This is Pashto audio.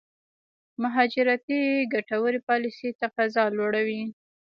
مهاجرتي ګټورې پالېسۍ تقاضا لوړوي.